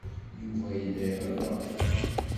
Yuba yella iɣelleq.